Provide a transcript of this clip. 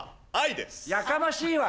やかましいわ！